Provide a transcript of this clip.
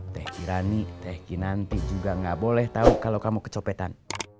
teh irani teh kinanti juga gak boleh tahu kalau kamu kecopetan